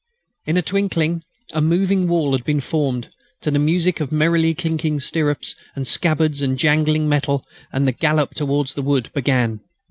In a twinkling a moving wall had been formed, to the music of merrily clinking stirrups and scabbards and jangling metal; and the gallop towards the wood began.